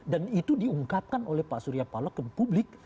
dan itu diungkatkan oleh pak surya palu ke publik